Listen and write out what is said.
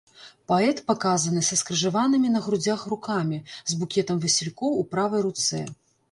Паэт паказаны са скрыжаванымі на грудзях рукамі, з букетам васількоў у правай руцэ.